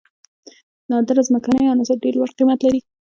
نادره ځمکنۍ عناصر ډیر لوړ قیمت لري.